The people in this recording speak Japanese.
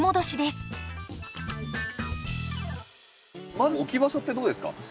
まず置き場所ってどうですか？